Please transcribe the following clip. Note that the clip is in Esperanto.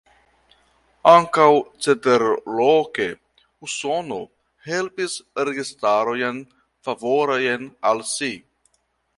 Ankaŭ ceterloke, Usono helpis registarojn favorajn al si.